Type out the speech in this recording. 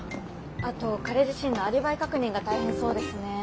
あと彼自身のアリバイ確認が大変そうですね。